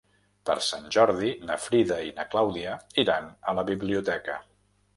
Per Sant Jordi na Frida i na Clàudia iran a la biblioteca.